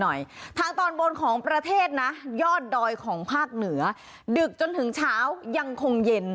ทางตอนบนของประเทศนะยอดดอยของภาคเหนือดึกจนถึงเช้ายังคงเย็น